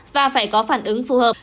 và phải có phản ứng phù hợp